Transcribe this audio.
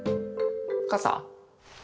傘？